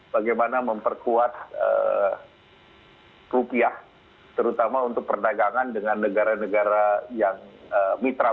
bagaimana memperkuat rupiah terutama untuk perdagangan dengan negara negara yang mitra